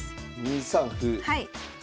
はい。